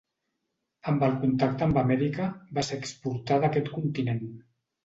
Amb el contacte amb Amèrica va ser exportada a aquest continent.